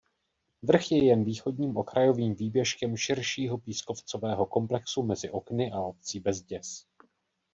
Vrch je jen východním okrajovým výběžkem širšího pískovcového komplexu mezi Okny a obcí Bezděz.